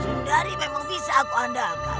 hindari memang bisa aku andalkan